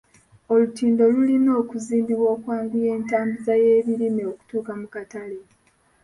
Olutindo lulina okuzimbibwa okwanguya entambuza y'ebirime okutuuka mu katale.